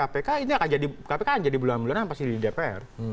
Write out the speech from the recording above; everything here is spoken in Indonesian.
kpk kan jadi bulanan bulanan pasti di dpr